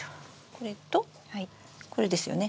これとこれですよね？